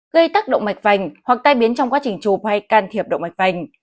gây tắt động mạch phành hoặc tai biến trong quá trình chụp hay can thiệp động mạch phành